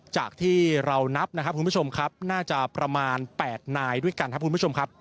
จากที่เรานับนะครับคุณผู้ชมครับน่าจะประมาณ๘นายด้วยกันครับคุณผู้ชมครับ